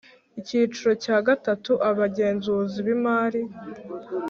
Icyiciro cya gatatu Abagenzuzi bimari